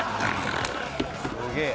すげえ。